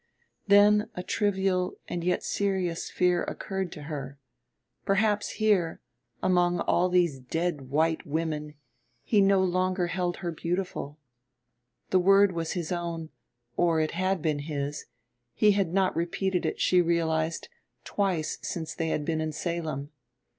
Then a trivial and yet serious fear occurred to her perhaps here, among all these dead white women, he no longer held her beautiful. The word was his own, or it had been his; he had not repeated it, she realized, twice since they had been in Salem.